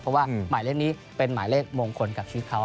เพราะว่าหมายเลขนี้เป็นหมายเลขมงคลกับชีวิตเขา